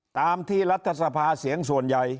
ตามที่รัฐสภาเสียงส่วนใหญ่